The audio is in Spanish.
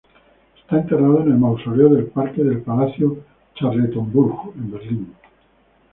Está enterrado en el Mausoleo del Parque del Palacio Charlottenburg en Berlín.